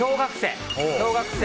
小学生！